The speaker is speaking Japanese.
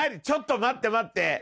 ちょっと待って、待って。